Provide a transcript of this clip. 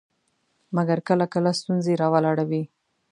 مګر کله کله ستونزې راولاړوي.